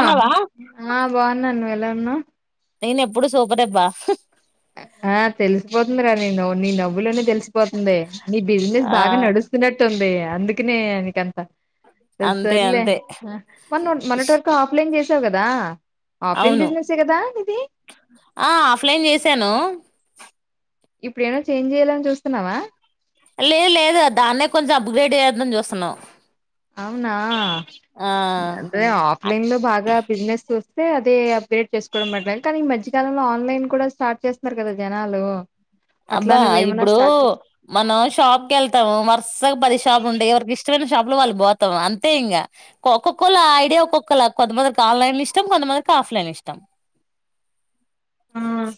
అన్నవా ఆ బావున్నాను నువ్వు ఎలా వున్నావు నేను ఎప్పుడు సూపరే అబ్బా ఆ తెలిసిపోతుంది రా నీ నవ్వు నీ నవ్వులోనే తెల్ సిపోతుంది నీ బిజినెస్ ఆ బాగా నడుస్తున్నట్టు ఉంది ఇగ అందుకనే నీకంత అంతే ససర్లే అంతే మొన్న మొన్నటి వరకు ఆఫ్లైన్ చేసావు కదా ఆఫ్లైన్ అవును బిజినెసే కదా నీది ఆ ఆఫ్లైన్ చేసాను ఇప్పుడు ఎవన్న చేంజ్ చేయ్యాలని చూస్తున్నావా లేదు లేదు దాన్నే కొంచెం అప్గ్రేడ్ చేద్దామని చూస్తున్నాం అవునా ఆ అంటే అ- ఆఫ్లైన్ లో బాగా బిజినెస్ చూస్తే అదే అప్గ్రేడ్ చేసుకోవడం బెటరే కానీ ఈ మధ్యకాలంలో ఆన్లైన్ కూడా స్టార్ట్ చేస్తున్నారు కదా జనాలు అట్లా అబ్బా నువ్వేమన్నా ఇప్పుడు స్టార్ట్ మనం షాప్కి ఎళ్తాము వరుసగా పది షాపులు ఉంటాయి ఎవరికి ఇష్టమైన షా షాప్ లో వాళ్ళు బోతాం అంతే ఇంగ ఒక్కొక్కొళ్ళ ఐడియా ఒక్కొక్కళ కొంతమందికి ఆన్లైన్ ఇష్టం కొంతమంది ఆఫ్లైన్ ఇష్టం మ్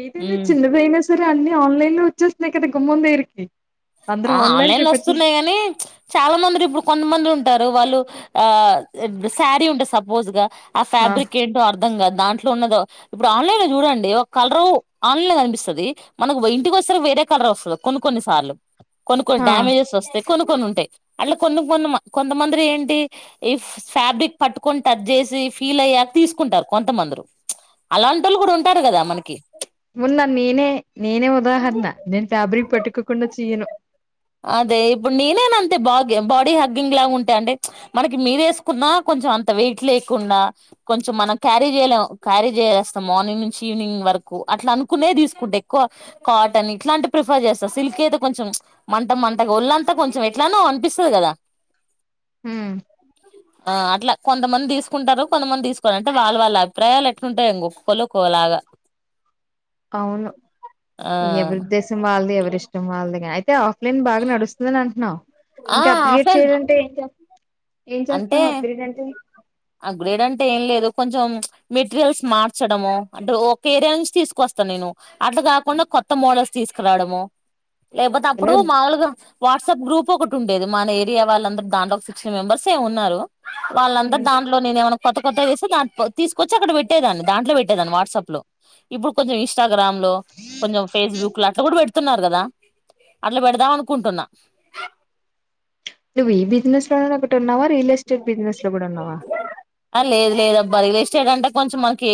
ఏదైన్న ఉమ్. చిన్నదైన సరే అన్ని ఆన్లైన్ లో వచ్చేస్తున్నాయి కదా గుమ్మం దేరికి ఆ ఆన్లైన్ లో వస్తున్నాయి గాని చాలా మందిరు ఇప్పుడు కొంతమంది ఉంటారు వాళ్ళు ఆ శారీ ఉంటే సపోజ్గా ఆ ఫ్యాబ్రిక్ ఏంటో అర్ దాన్ దాంట్లో ఉన్నదో ఇప్పుడు ఆన్లైన్ లో చూడండి ఒక కలరు ఆన్లైన్ లో కనిపిస్తది మనకు ఇంటికి వేరే కలర్ వస్తుంది కొన్ని కొన్ని సార్లు కొన్ని కొన్ని ఆ డ్యామేజెస్ వస్తే కొను కొన్ని ఉంటాయి అట్లా కొన్ని కొన్ని కొంతమంది ఏంటి ఈ ఫ్యాబ్రిక్ పట్టుకొని టచ్ చేసి ఫీల్ అయ్యాక తీసుకుంటారు కొంతమందరు అలాంటి వాళ్ళు కూడా ఉంటారు కదా మనకి ఉన్నా నేనే నేనే ఉదాహరణ నేను ఫాబ్రిక్ పట్టుకోకుండ తీయను అదే ఇప్పుడు నేనేను అంతే బా బాడీ హగ్గింగ్ లాగా ఉంటా అండి మనకి మీరు వేసుకున్నా కొ కొంచం అంత వెయిట్ లేకుండా కొంచెం మనం క్యారీ చేయలేం క్యారీ చేయాలస్తాం మార్నింగ్ నుంచి ఈవినింగ్ వరకు అట్లా అనుకునే తీసుకుంటా ఎక్కువ కాటన్ ఇట్లాంటి ప్రిఫర్ చేస్తా సిల్క్ అయితే కొంచెం మంట మంటగా ఒళ్ళంతా కొంచెం ఎట్లానో అనిపిస్తది కదా హ్మ్ ఆ అట్లా కొంతమంది తీసుకుంటారు కొంతమంది తీసుకోవాల అంటే వాళ్ళ వాళ్ళ అభిప్రాయాలు ఎట్లుంటాయి ఇంకొక్కలు ఒక్కలాగా అవును ఆ ఎవరుద్దేశం వాళ్ళది ఎవరిష్టం వాళ్ళది అయితే లేని బాగా నడుస్తుందని అంటున్నావు ఆ ఇంకా అప్గ్రేడ్ ఫ్రెండ్ చేయాలంటే ఏం ఏం చేస్తున్నావు అప్గ్రేడ్ ఏంటి ఆ గ్రేడ్ అంటే ఏం లేదు కొంచెం మెటీరియల్స్ మార్చడము అంటే ఒక ఏరియా నుంచి తీసుకొస్ త నేను అట్లా కాకుండా కొత్త మోడల్స్ తీసుకురావడము లేకపోతే ఎలా అప్పుడు మామూలుగా వాస్ ట్సప్ గ్రూప్ ఒకటి ఉండేది మన ఏరియా వాళ్ళందూ దాంట్లో ఒక సిక్స్టీన్ మెంబర్స్ ఏమో ఉన్నారు వాళ్ళందరు దాంట్లో నేను ఏమ కొత్త కొత్త వస్తే దా తీసుకొచ్చి అక్కడ పెట్టేదాన్ని దాంట్లో పెట్టేదాన్ని వాట్సాప్ లో ఇప్పుడు కొంచెం ఇంస్టా గ్రామ్ లో కొంచెం ఫేస్బుక్ లో అలా కూడా పెట్ తున్నారు కదా అట్లా పెడదాం అనుకుంటున్నా నువ్వు ఈ బిజినెస్ లో ఒకటి రియల్ ఎస్టేట్ బిజినెస్ లో కూడా ఉన్నావా అ లేదు లేదు బరిలే స్టేట్ అంటే కొంచెం మనకి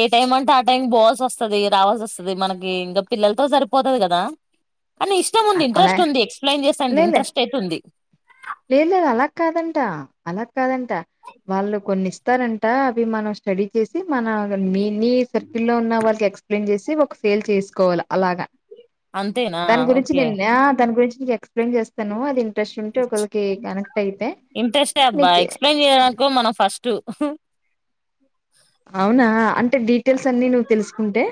ఏ టైమ్ అంటే ఆ టైం పోవాల్సి వస్తది రావాల్సి వస్తది మనకి ఇంకా పిల్లలతో సరిపోతది కదా కానీ ఇష్టం ఉంది అలా ఇంట్రెస్ట్ ఉంది ఎక్స్ప్లెయిన్ చేస్తే లేలే ఇంట్రెస్ట్ అయితే ఉంది లేదు లేదు అలా కాదంట అలా కాదంట వాళ్ళు కొన్ని ఇస్తారంట అవి మనం స్టడీ చేసి మన మె ఎన్ని సర్కిల్ల్లో ఉన్న వాళ్ళకి ఎక్స్ప్లెయిన్ చేసి ఒక ఫెయిల్ చేసుకోవాలి అలాగా అంతేనా దాని గురించి ఓకే నేను దాని గురించి నీకు ఎక్స్ప్లెయిన్ చేస్తాను అది ఇంట్రెస్ట్ ఉంటే ఒక ఇంట్రెస్టే అబ్బా నీకు ఎక్స్ప్లెయిన్ చేయడానీకో మనం ఫస్ట్ అవునా అంటే డీటెయిల్స్ అన్ని నువ్వు తెలుసుకుంటే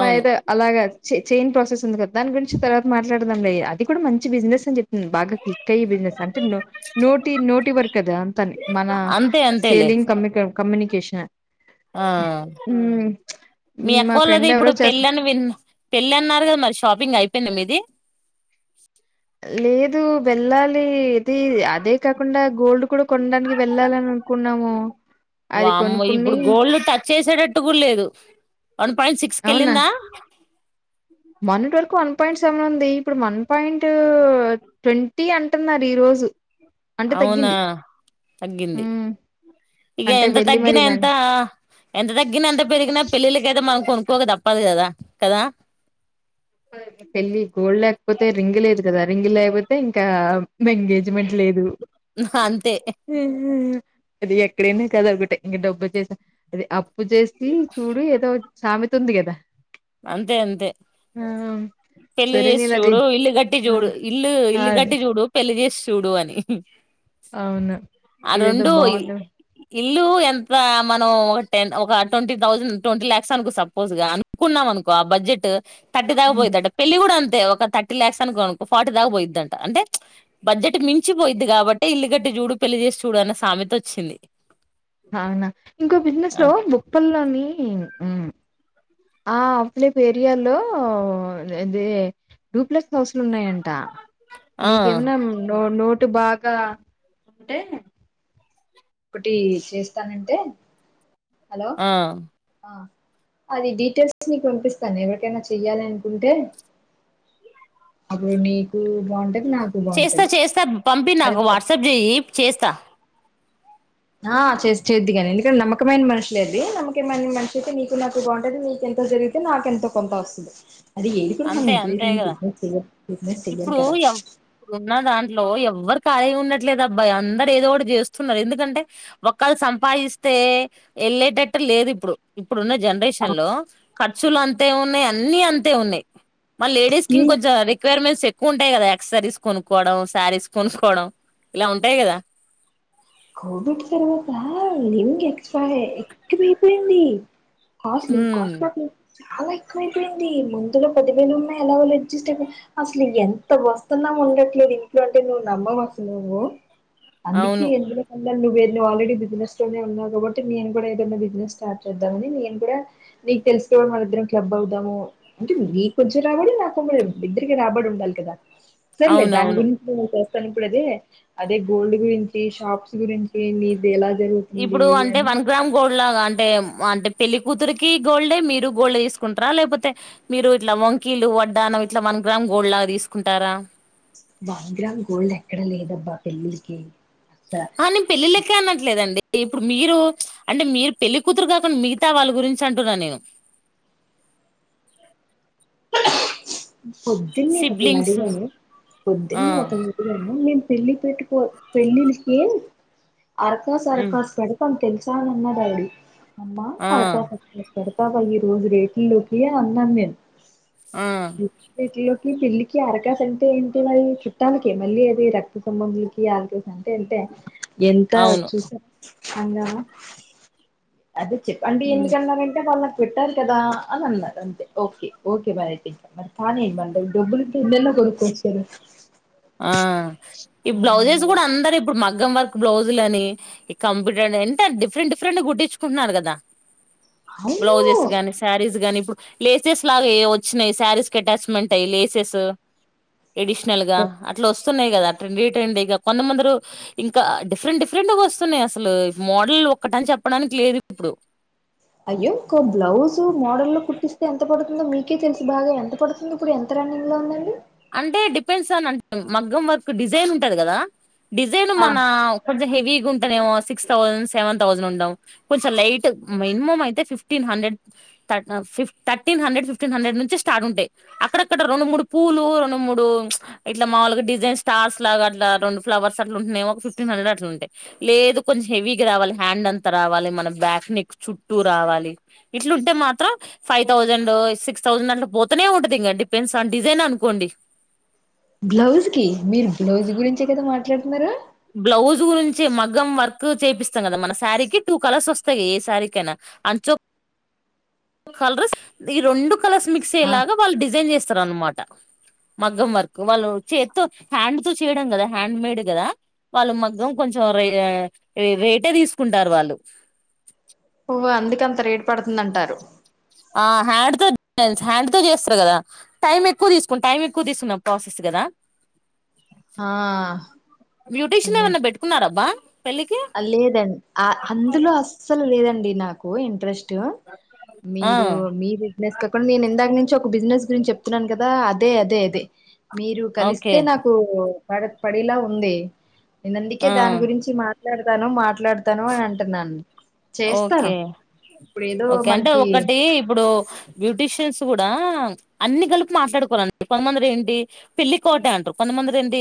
మా ఏదో అలాగా చైన్ ప్రాసెస్ ఉంది కదా గురించి తర్వాత మాట్లాడదంలే అది కూడా మంచి బిజినెస్ అని చెప్ బాగా చిక్కయ బిజినెస్ అంటే నోటి నోటి వరకు కదా అంతా మన అంతే సేల్ అంతేలే కమ్ముక కమ్యూనికేషనే ఆ ఉ మీ అక్కోళ్ళది ఇప్పుడు పెళ్ళి అని విన్ పెళ్ళి అన్నారు కదా మరి షాపింగ్ అయి పోయిందా మీది లేదు వెళ్ళాలి ఇది అదే కాకుండా గోల్డ్ కూడా కొనడానికి వెళ్ళాలని అనుకున్నాము అది వామ్మో ఇప్పుడు కొనుక్కుని గోల్డ్ టచ్ చేసేటట్టు కూడా లేదు వన్ పాయింట్ సిక్స్ అవునా కెళ్ళిందా మనట్ వరకు అను పాయింట్ సెవెన్ ఉంది ఇప్పుడు వన్ పాయింట్ ట్వంటీ అంటున్నారు ఈ రోజు అంటే అవునా తగ్గింది. తగ్గింది హ్మ్. ఇక అంటే ఎంత వెళ్ళి తగ్గిన మరి వెన్ ఎంత ఎంత తగ్గిన ఎంత పెరిగినా పెళ్ళిలకైతే మకు కొనుక్కోక తప్పదు కదా కదా పెళ్ళి గోల్డ్ లేకపోతే రింగు లేదు కదా రింగు లేకపోతే ఇంకా ఎంగేజ్మెంట్ లేదు అంతే అది ఎక్కడైనా కదా ఒకటే. ఇంక డబ్బు చేసా అది అప్పు చేసి చూడు ఏదో సామెత ఉంది కదా. అంతే అంతే. ఆ. పెళ్లి సరే చేసి నేను అది చూడు ఇల్లు కట్టి ఆ! చూడు ఇల్లు ఇల్లు అదే గట్టి చూడు పెళ్లి చేసి. చూడు అని. అవున ఆ ఇదేదో రెండు బాగుందె. ఇల్లు ఎంత మనం ఒక టెన్ ఒక ట్వంటీ థౌజండ్ ట్వంటీ ల్యాక్స్ అనుకో సపోజ్ గా‌. కున్నాం అనుకో ఆ బడ్జెట్ తథర్టీ హ్మ్. తాకపోయిదింటే పెళ్లి కూడా అంత్. ఒక థర్టీ ల్యాక్స్ అనుకో ఓక ఫార్టీ దాకా పోయిదంట అంటే బడ్జెట్ మించి పోయిద్ది కాబట్టి ఇల్లు కట్టి. చూడు పెళ్లి చేసి చూడు అన్న సామెత వచ్చింది. అవునా ఇంకో బిజినెస్ ఆ లో బొప్పనని. ఆ అప్పులే పెరిలో అదీ. డూప్లక్స్ హౌస్లు ఉన్నాయంట. ఆ నీకేమనా నోటు బాగా ఉంటే. ఇటి చేస్తానంటే హలో ఆ ఆ. అది డీటెయిల్స్ నికు పంపిస్తాను ఎవరికైనా చెయ్యాలి అనుకుంటే. అప్పుడు నీకు బాగుంట. చేస్తా చేస్తా పంపి నాకు వాట్సాప్ చెయి చేస్తా. ఆ చే చేద్దిగాని ఎందుకంటే నమ్మకమైన మనుషులేదు నమ్మకమైన మనిషి అయితే నీకు నాకు బాగుంటంది నీకెంత. ఎంత జరిగితే నాకెంతో కొంత వస్తుంది. అది ఏది కూడా మనం అంతే అంతే ఇంటంది కదా బిజినెస్ బిజినెస్ చెయ్యాలి ఇప్పుడు కదా. ఎవ్ ఇప్పుడున్న దాంట్లో ఎవ్వరు. ఖళీ ఉండట్లేదు అబ్బాయ అందరు ఏదో ఒకటి చేస్తున్నారు ఎందుకంటే ఒక్కళ్ళు సంపాదిస్తే. వెళ్ళేటట్టు లేదు ఇప్పుడు. ఇప్పుడున్న జనరేషన్ లో ఖర్చులు అంతే ఉన్నాయి అన్ని అంతే ఉన్నాయి. మా లేడీస్ కి ఏం ఇంకో రిక్వైర్మెంట్స్ ఎక్కువ్. ఎక్కు ఉంటాయి కదా ఎక్ససరీస్ కొనుక్కవడం శారీస్ కొనుక్కోవడం ఇలా ఉంటాయి కదా. కోవిడ్ తర్వాత నింగ్ ఎక్స్పైర్ ఎక్కువయిపోయింది. Costly um cost costly. చాలా ఎక్కువైపోయింది ముందులో పదివేలు ఉన్నాయి ఎలా వాళ్ళు అడ్జస్ట్ అయిపోయి అసలు ఎంత వస్తున్నా. ఉండట్లేదు ఇంట్లో అంటే నువ్వు నమ్మవ అసలు నువ్వు అందుకే అవును ఎందు. నువ్వ వేరువవు ఆల్రెడీ బిినెస్ లోనే ఉన్నావు కాబట్టి నేను కూడా ఏదైనా బిజినెస్ స్టార్ట్ చేద్దామని నేను కూడా. నీకు తెలుసుకోవడం మళ్ ఇద్దరం క్లబ్ అవుదాము అంటే నీ కొంచెం రాబడం నా కొమ్మడి ఇద్దరిక రాబడి ఉండాలి. కదా సరలేదు దాని అవునవును గురించి నే చేస్తాను ఇప్పుడు అదే అదే గోల్డ్ గురించి షాప్స్. గురించి ఏ. ఇప్పుడు అంటే వన్ గ్రామ్ గోల్డ్ లాగా అంటే. అంటే పెళ్లి కూతురికి గోల్డే మీరు గోల్డ్ తీసుకుంటారా లేకపోతే మీరు ఇట్లా వంకీలు వడ్డానం. ఇట్లా వన్ గ్రామ్ గోల్డ్ లాగా తీసుకుంటారా. వన్ గ్రామ్ గోల్డ్ ఎక్కడ లేదండి ఆభ్యస్లి. ఆ నేను పెళ్ళిళ్ళకే అనట్లేదండి. ఇప్పుడు మీరు అంటే మీరు పెళ్ళికతురు కాకుండా మిగతా వాళ్ళ గురించి అంటున్నా నేను. పొద్దున్న ఒకల్నీ సిబ్లింగ్స్ నడిగాను ఆ పొద్దున్న ఒకల్నీ అడిగాను మేము పెళ్లి. పెట్టుకో పెళ్ళిళకిం అరకాస్ ఉమ్, అరకాస్ పెడకని తెలుసు. ఇస్తా అన్నడాడి అమ్మా ఆ మరకా [inaudible] పాపామ్ ఈ రోజు రేట్ల్కి అన్నాను నేను ఆ రేట్లోకి. ఈ పిల్లికి అరకాసు అంటే ఏంటి మరి చుట్టాలకే మళ్ళీ అది రక్త సంబంధులకి ఆకా. అంటే అంతే ఎంత అవును చూసారు హంగా. అదే చెప్పండి ఉమ్, ఎందుకన్నారంటే వాళ్ళు నాకు పెట్టారు కదా అని అన్నారు అంతే ఓకే ఓకే. మరిండి కానీ మరి తాన డబ్బులతో ఎన్నైనా కొనుక్కోవచ్చు కదా. ఆ ఈ ఆ నేను బ్లౌజెస్ అలా గుడ అందరు ఇప్పుడు మగ్ గం వర్క్ బ్లౌజులని, ఈ కంప్యూటర్ ఎంట డిఫరెంట్ డిఫరెంట్ గుట్టించుకుంటున్నారు కదా. అవును బ్లౌజెస్ గని, శారీస్ గనీ ప్పు లేసెస్ లాగా ఏవచ్చినయి, శారీస్ కి అటాచ్మెంట్ అయి లేసెసు ఎడిషనల్గా. స్తున్నాయి కదీ ట్రెండీ ట్రెండీగా కొందమందరు ఇంకా డిఫరెంట్ డిఫరెంట్ గా వస్తున్నయి అసలు మోడల్ ఒటని చెప్పడానికి లేదు ఇప్పుడు. అయ్యో ఒక్కో బ్లౌజ్ మోడల్ లో కుట్టిస్తే ఎంత పడుతుందో మీకే తెలుసు బాగా, ఎంత పడుతుందో ఇప్పుడు ఎంత రన్నింగ్లో ఉందండి. అంటే డిపెండ్స్ అన్ అం ట్ మగ్గం వర్కు డిజైన్ ఉంటది కదా. డిజైన్ ఆ మన కొంచెం హెవ్ వీక్ గుంటేనేమో సిక్స్ థౌజండ్, సెవెన్ థౌజండ్ ఉండాం. కొంచెం లైట్ మినిమం అయితే ఫిఫ్టీన్ హండ్రెడ్ థ ఆ ఫిఫ్ థర్టీన్ హండ్రెడ్, ఫిఫ్టీన్ హండ్రెడ్ నుంచి స్టార్ట్ ఉంటయి, అక్కడక్కడ రెండు మూడు పూలు రెండు మూడు ప్చ్ ఇట్లా మామూలుగా డిజైన్ స్టార్ లాగా అట్లా రెండు ఫ్లర్స్ అట్లా ఉంటన్నయి, ఒక ఫిఫ్టీన్ హండ్రెడ్ అట్లా ఉంటాయి లేదు కొంచెం హెవీగా రావాలి హ్యాండ్ అంత రావాలి, మన బ్యాక్ నెక్ చుట్టూ రావాలి ఇ ఇట్లు ఉంటే మాత్రం ఫైవ్ థౌజండ్ సిక్స్ థౌసండ్ అట్ల పోతనే ఉంటది ఇంకా, డిపెండ్స్ ఆన్ డిజైన్ అనుకోండి. బ్లౌజ్ కి మీరు బ్లౌజ్ గురించే కదా మాట్లాడుతున్నారు బ్లౌజ్ గురించి మగ్గం వర్క్ చేపిస్తాం కదా మన శారీకి టూ కలర్స్ వస్తయి ఏ శారీకైనా. అంచు కలర్స్ ఈ రెండు కలర్స్ మిక్స్ ఆ అయ్యేలాగా వాళ్ళు డిజైన్ చేస్తరు అనమాట. మగ్గం వర్క్ వాళ్ళు చేత్తో హ్యాండ్ తో చేయడం కదా, హ్యాండ్ మేడ్ కదా వాళ్ళు మగ్గం కొంచెం రే ఆ రేటే తీసుకుంటారు వాళ్ళు. వ అందుకే అంత రేటు పడుతుందంటారు. ఆ హ్యాండ్ తో హ్యాండ్ తో చేస్తరు కదా, టైం ఎక్కువ తీసుకుం టైం ఎక్కువ తీసుకున్న ప్రాసెస్ కదా. ఆ బ్యూటీషియన్ ఏమన్నా పెట్టుకున్నారబ్బా పెళ్ళికి ఆ లేదండి ఆ అందులో అస్సలు లేదండి నాకు ఇంట్రెస్ట్. ఆ మీరు మీ బిజినెస్ కాకుండా నేను ఇందాక నుంచి ఒక బిజినెస్ గురించి చెప్తున్నాను కదా అద్ అదే అదే అదే, మీరు ఓకే కలిస్తే నాకు పడ పడిలా ఉంది. నేను అందుకే ఆ దాని గురించి మాట్లాడతాను మాట్లాడతాను అని అంటున్నాను. చేస్తాను ఓకే, ఇప్పుడు ఏదో ఓకే అంటే మనకి ఒకటి ఇప్పుడు బ్యూటీషియన్స్ కూ దా అన్ని గలుపు మాట్లాడుకోవాలండి, కొంతమందరు ఏంటి పెళ్లి కోట అంటరు కొంతమందలు ఏంటి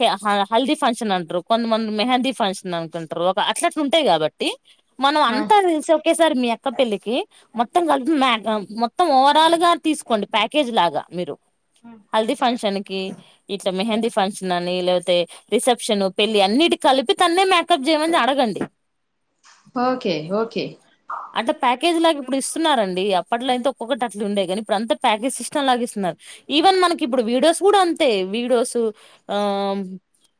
హా హా హల్దీ ఫంక్షన్ అంటరు, కొంతమంది మెహందీ ఫంక్షన్ అనుకుంటరు, ఒక అట్లా ఉంటాయి కాబట్టి మనం ఆ అంత ఇన్ కేస్ సర్ మీ అక్క పెళ్లి, కి మొత్తం కలిపి మేక మొత్తం ఓవరాల్ గా తీసుకోండి ప్యాకేజ్ లాగా మీరు. హల్ది ఫంక్షన్ కి ఇట్ల మెహందీ ఫంక్షన్ అని లేకపోతే రిసెప్షన్ పెళ్లి అన్నిటి కలిపి కన్నె మేకప్ జెమనీ అడగండి. Okay okay. అట్ట ప్యాకేజ్ లాగా ఇప్పుడు ఇస్తున్నారండి, అప్పట్లో అయితే ఒక్కొక్కటి అట్లు ఉండే కానీ ఇప్పుడు అంత ప్యాకేజ్ సిస్టమ్ లాగా ఇస్తున్న నారు, ఈవెన్ మనకి ఇప్పుడు వీడియోస్ కూడా అంతే, వీడియోస్ ఆ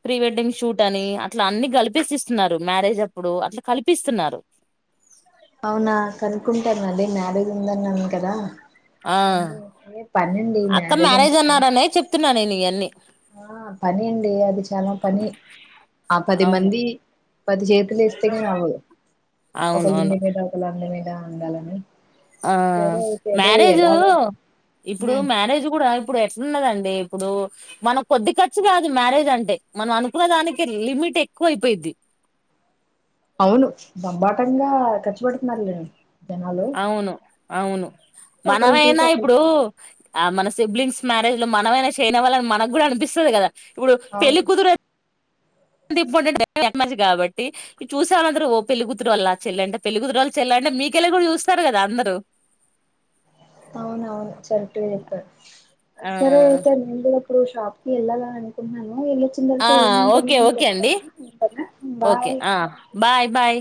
ప్రీ వెడ్డింగ్ షూట్ అని అట్లా అన్ని కల్పిసిస్తున్నారు, మ్యారేజ్ అప్పుడు అట్లా కల్పిస్తున్నారు. అవునా కనుకుంటారు అదే మ్యారేజ్ ఉందన్నారు కదా ఆ పనిండి ఈ అక్క మ్యారేజ్ అప్ అన్నారనే చెప్తున్నా నేను ఇవన్నీ ఆ పని అండి, అది చాలా పని ఆ పది అవును మంది పది చేతులు వస్తేగాని అవ్వదు అవునవును ఒకలుండి మీద, ఒకలు అండి మీద అండాలని ఆ మ్యారేజ్ ఇప్పుడు ఉమ్ మ్యారేజ్ గుడ ఇప్పుడు ఎట్లున్నదండి ఇప్పుడు మనం కొద్ది ఖర్చు కాదు మ్యారేజ్ అంటే మనం అనుకున్న దానికి లిమిట్ టె ఎక్కువయిపోయిద్ది. అవును బంబాటంగా ఖర్చు పెడుతున్నారు లేను అవును అవును ఒకళ్ళని చూసి మనమయినా ఒకళ్ళు ఇప్పుడు ఆ మన సిబ్లింగ్స్ మ్యారేజ్ లో మనమైనా చేయన వాళ్ళని మనకు కూడా అనిపిస్తుంది కదా ఇప్పుడు పెళ్ళి అవును. కుతురే త ఇంపార్టెం మంచిగా కాబట్టి ఈ చూసా అందరు ఓ పెలులిగుతురు వాల్ల చల్లంట పెళ్లిగుతురుళ్ళుల్లంట అంటే మీకెళ్ళి కూడా చూస్తారు కదా అందరుూ అవున అవును చెరట్ చెప్పడు ఆ సరే అయితే న ఇప్పుడు షాప్ కి వెళ్ళలాని అనుకుంటన్నాను ఆ ప్రచ్చతే ఏ ఓకే కొ ఓకే అండి ఓకే బాయ్ ఆ బాయ్ బాయ్